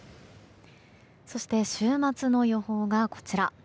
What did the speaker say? そして、週末の予報がこちら。